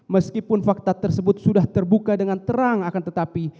meskipun fakta tersebut sudah terbuka dengan terang akan tetapi